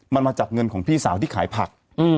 มันมาจากเงินของพี่สาวที่ขายผัก